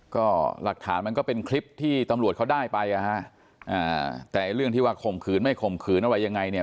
ก็หลักฐานมันก็เป็นคลิปที่ตำรวจเขาได้ไปอ่ะฮะอ่าแต่เรื่องที่ว่าข่มขืนไม่ข่มขืนอะไรยังไงเนี่ย